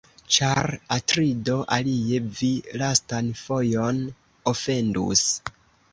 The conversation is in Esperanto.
Ĉar, Atrido, alie vi lastan fojon ofendus.